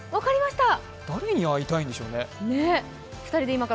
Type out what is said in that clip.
誰に会いたいんでしょうね。